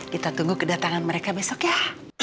kita tunggu kedatangan mereka besok ya